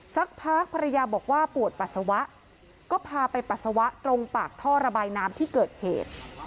สักพักภรรยาบอกว่าปวดปัสสาวะก็พาไปปัสสาวะตรงปากท่อระบายน้ำที่เกิดเหตุ